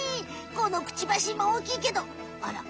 このクチバシもおおきいけどあら